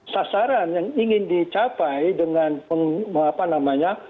sasaran yang ingin dicapai dengan apa namanya